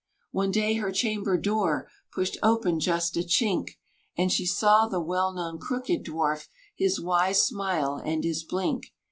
One day her chamber door Pushed open just a chink, And she saw the well known crooked dwarf, His wise smile and his blink.